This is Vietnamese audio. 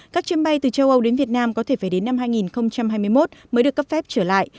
các chuyến bay từ châu âu đến việt nam có thể phải đến năm hai nghìn hai mươi một mới được cấp phép trở lại